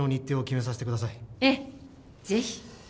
ええぜひ。